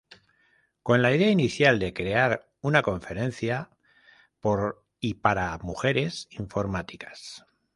Con la idea inicial de crear una conferencia por y para mujeres informáticas.